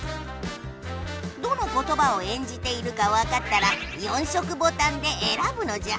どの言葉を演じているかわかったら４色ボタンでえらぶのじゃ。